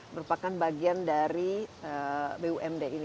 merupakan bagian dari bumd ini